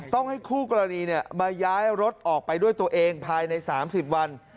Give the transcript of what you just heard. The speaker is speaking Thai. ต้องให้คู่กรณีมาย้ายรถออกไปด้วยตัวเองภายใน๓๐วัน